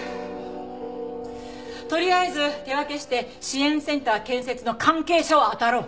とりあえず手分けして支援センター建設の関係者をあたろう。